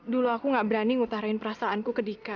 dulu aku gak berani ngutarain perasaanku ke dika